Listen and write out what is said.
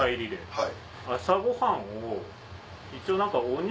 はい。